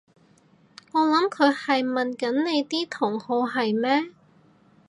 我諗佢係問緊你啲同好係咩？